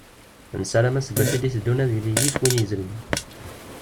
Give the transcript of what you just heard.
Nassaram aseggas i d-iteddun ad yili yif win yezrin.